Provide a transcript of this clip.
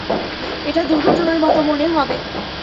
এটা দুর্ঘটনার মতো মনে হবে।